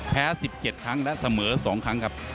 ๑๗ครั้งและเสมอ๒ครั้งครับ